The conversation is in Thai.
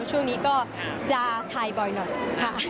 ช่วงนี้ก็จะถ่ายบ่อยหน่อยค่ะ